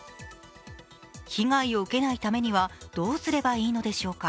被害を受けないためにはどうすればいいのでしょうか。